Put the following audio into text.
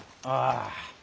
あぁ。